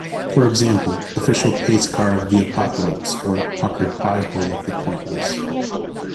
For example, "Official pace car of the apocalypse" or "puckered piehole of the pointless".